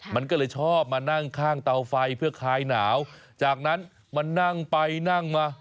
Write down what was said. มันก็เลยชอบมานั่งข้างเตาไฟเพื่อคลายหนาวจากนั้นมันนั่งไปนั่งมา